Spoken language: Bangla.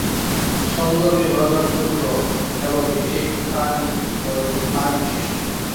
ছন্দো-বিভাজন যুক্ত এবং এটি একটি তালি ও একটি ফাঁক বিশিষ্ট।